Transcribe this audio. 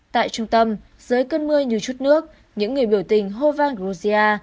tại trung tâm dưới cơn mưa như chút nước những người biểu tình hô vang georgia